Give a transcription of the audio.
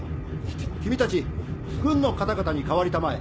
君たち軍の方々に替わりたまえ。